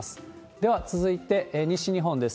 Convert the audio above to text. では、続いて西日本です。